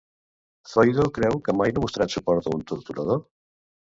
Zoido creu que mai no ha mostrat suport a un torturador?